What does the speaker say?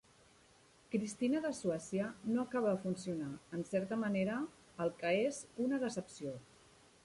"Cristina de Suècia" no acaba de funcionar, en certa manera, el que és una decepció.